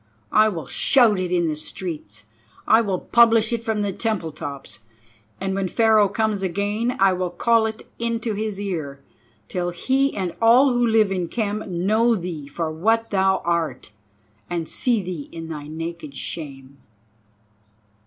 I will shout it in the streets, I will publish it from the temple tops, and when Pharaoh comes again I will call it into his ear, till he and all who live in Khem know thee for what thou art, and see thee in thy naked shame."